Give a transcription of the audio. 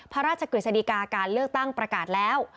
พระราชกริจสันติกาการเลือกตั้งประกาศแล้ว